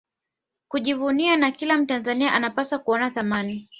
kujivunia na kila Mtanzania anapaswa kuona thamani